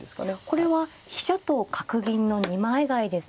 これは飛車と角銀の二枚替えですが。